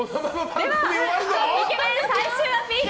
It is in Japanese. イケメン最終アピール